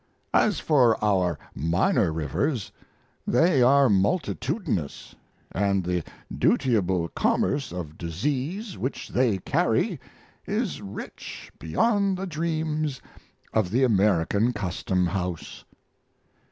As for our minor rivers, they are multitudinous, and the dutiable commerce of disease which they carry is rich beyond the dreams of the American custom house.